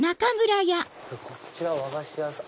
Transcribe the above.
こちらは和菓子屋さん。